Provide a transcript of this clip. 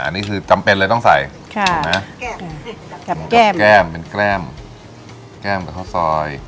อันนี้คือจำเป็นเลยต้องใส่ถูกไหมแก้มแก้มแก้มเป็นแก้มแก้มกับข้าวซอย